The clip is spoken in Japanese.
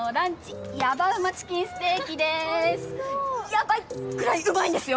ヤバいぐらいうまいんですよ。